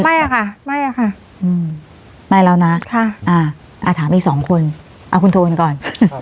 ไม่อะค่ะไม่แล้วนะถามอีก๒คนเอาคุณโทนก่อน